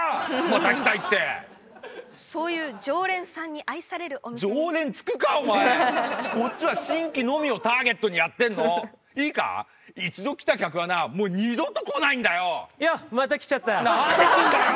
また来たいってそういう常連さんに愛されるお店に常連つくかお前こっちは新規のみをターゲットにやってんのいいか１度来た客はなもう二度と来ないんだよよっまた来ちゃった何で来んだよ！